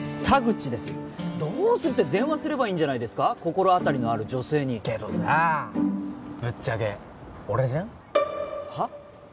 田口ですよどうするって電話すればいいんじゃないですか心当たりのある女性にけどさあぶっちゃけ俺じゃん？はっ？